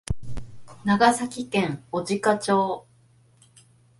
長崎県小値賀町